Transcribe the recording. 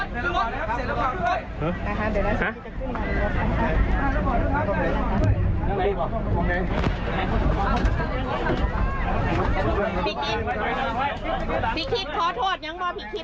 พี่คิดพี่คิดขอโทษยังบ้างพี่คิดอยากขอโทษบ้างเด็บร้อยครับเด็บร้อยครับโอเคครับ